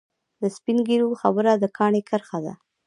د سپین ږیرو خبره د کاڼي کرښه ده.